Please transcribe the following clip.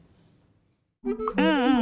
うんうん。